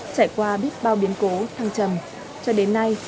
trải qua biết bao biến cố thăng trầm cho đến nay